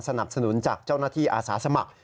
สนับสนุนจากเจ้าหน้าที่อาสาสมัคร